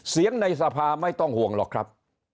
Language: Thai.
ในสภาไม่ต้องห่วงหรอกครับ